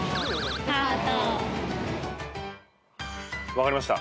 分かりました。